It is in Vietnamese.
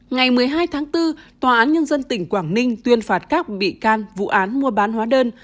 ngày một mươi hai tháng bốn tòa án nhân dân tỉnh quảng ninh tuyên phạt các bị can vụ án mua bán hóa đơn